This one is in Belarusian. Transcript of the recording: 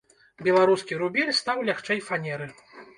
Беларускі рубель стаў лягчэй фанеры.